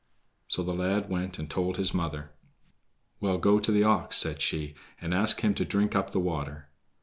So the lad went and told his mother. "Well, go to the ox," said she, "and ask him to drink up the water."